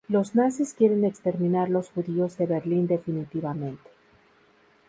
Los nazis quieren exterminar los judíos de Berlín definitivamente.